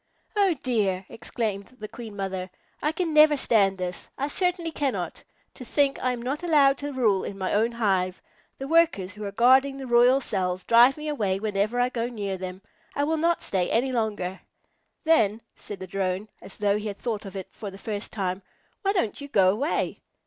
"Oh dear!" exclaimed the Queen Mother. "I can never stand this. I certainly cannot. To think I am not allowed to rule in my own hive! The Workers who are guarding the royal cells drive me away whenever I go near them. I will not stay any longer." "Then," said a Drone, as though he had thought of it for the first time, "why don't you go away?"